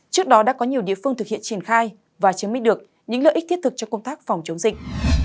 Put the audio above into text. trước đó đã có nhiều địa phương thực hiện triển khai và chứng minh được những lợi ích thiết thực cho công tác phòng chống dịch